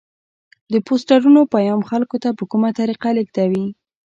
د پوسټرونو پیام خلکو ته په کومه طریقه لیږدوي؟